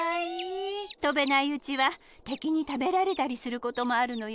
とべないうちはてきにたべられたりすることもあるのよ。